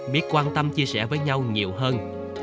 biết quan tâm chia sẻ với nhau nhiều hơn